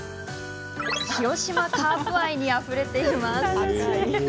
広島カープ愛にあふれています。